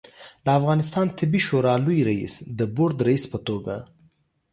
د افغانستان طبي شورا لوي رئیس د بورد رئیس په توګه